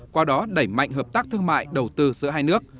qua đó đẩy mạnh hợp tác thương mại đầu tư giữa hai nước